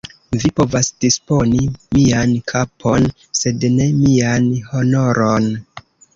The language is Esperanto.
Vi povas disponi mian kapon, sed ne mian honoron!